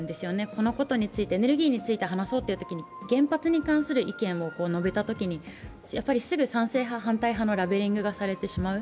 このことについてエネルギーについて話そうというときに原発に対する意見を述べたときにやはり、すぐ賛成派、反対派のラベリングがされてしまう。